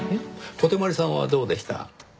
小手鞠さんはどうでした？